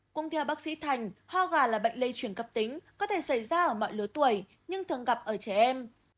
cũng theo bác sĩ thành ho gà là bệnh lây chuyển cấp tính có thể xảy ra ở mọi lứa tuổi nhưng thường gặp ở trẻ em